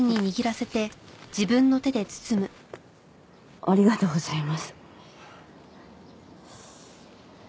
ありがとうございます。